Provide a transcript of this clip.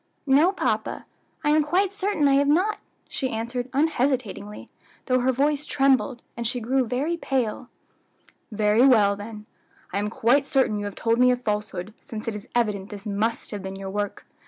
"No, papa. I am quite certain I have not," she answered unhesitatingly, though her voice trembled, and she grey very pale. "Very well, then, I am quite certain you have told me a falsehood, since it is evident this must have been your work.